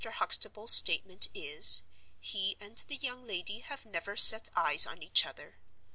Huxtable's statement is—he and the young lady have never set eyes on each other.